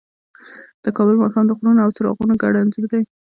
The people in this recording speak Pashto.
د کابل ماښام د غرونو او څراغونو ګډ انځور دی.